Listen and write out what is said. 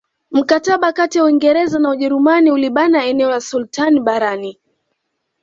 Mkataba kati ya Uingereza na Ujerumani ulibana eneo la sultani barani